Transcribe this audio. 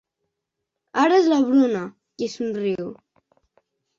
Ara és la Bruna, qui somriu.